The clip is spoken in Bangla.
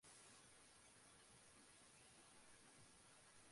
সময়ের সাথে সফটওয়্যার প্রকৌশল অন্যান্য সকল ক্ষেত্রের মত সমান সুযোগ পেয়েছে।